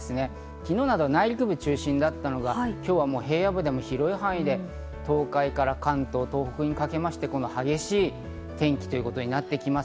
昨日なんかは内陸部中心だったのが今日は平野部でも広い範囲で東海から関東、東北にかけまして激しい天気ということになってきます。